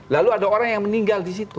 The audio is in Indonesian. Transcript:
lalu ada orang yang meninggal di situ